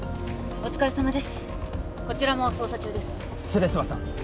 お疲れさまです